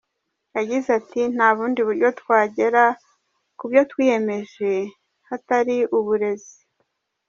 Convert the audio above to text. Yagize ati “Nta bundi buryo twagera kubyo twiyemeje hatari uburezi.